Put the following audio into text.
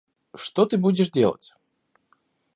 Что ты будешь делать?